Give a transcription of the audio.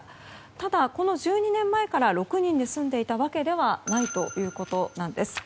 ただ、この１２年前から６人で住んでいたわけではないということです。